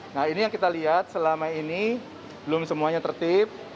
nah ini yang kita lihat selama ini belum semuanya tertib